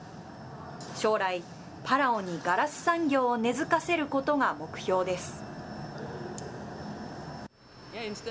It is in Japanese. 将来、パラオにガラス産業を根づかせることが目標です。